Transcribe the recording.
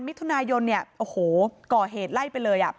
มิถุนายนเนี่ยโอ้โหก่อเหตุไล่ไปเลยอ่ะ